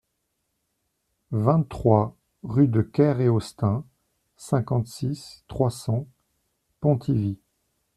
vingt-trois rue de Ker-Eostin, cinquante-six, trois cents, Pontivy